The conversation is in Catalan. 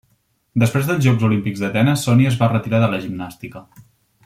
Després dels Jocs Olímpics d'Atenes, Sonia es va retirar de la gimnàstica.